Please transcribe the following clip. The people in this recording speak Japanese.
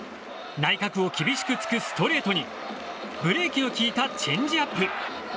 内角を厳しく突くストレートにブレーキの利いたチェンジアップ。